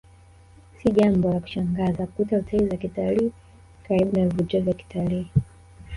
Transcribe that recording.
Si jambo la kushangaza kukuta hoteli za kitalii karibu na vivutio vya kitalii